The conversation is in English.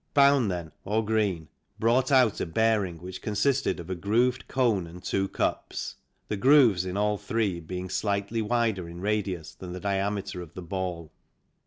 Bown then, or Green, brought out a bearing which consisted of a grooved cone and two cups, the grooves in all three being slightly wider in radius than the diameter of the ball.